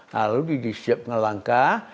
lalu disiapkan langkah